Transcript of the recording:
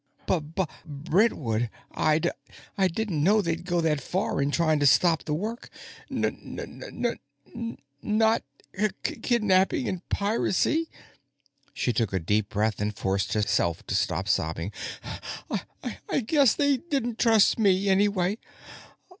"Buh Buh Brentwood. I duh didn't know they'd go that far in trying to stop the work. Nuh nuh not kih kidnapping and piracy." She took a deep breath and forced herself to stop sobbing. "I guess they didn't trust me, anyway.